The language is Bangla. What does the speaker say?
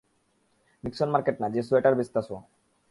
নিক্সন মার্কেট না, যে সোয়েটার বেচতাছো।